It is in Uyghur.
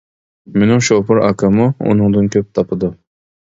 مېنىڭ شوپۇر ئاكاممۇ ئۇنىڭدىن كۆپ تاپىدۇ.